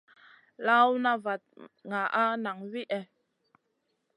Lawna vat ma nʼgaana nang wihè.